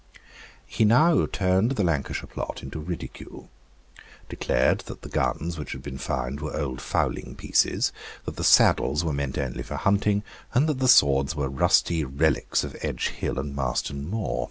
He now turned the Lancashire plot into ridicule, declared that the guns which had been found were old fowling pieces, that the saddles were meant only for hunting, and that the swords were rusty reliques of Edge Hill and Marston Moor.